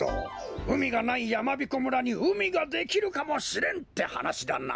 うみがないやまびこ村にうみができるかもしれんってはなしだな？